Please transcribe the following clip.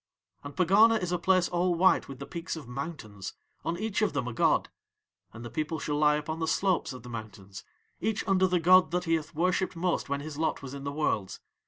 And Pegana is a place all white with the peaks of mountains, on each of them a god, and the people shall lie upon the slopes of the mountains each under the god that he hath worshipped most when his lot was in the Worlds.